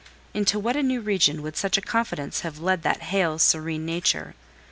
Into what a new region would such a confidence have led that hale, serene nature!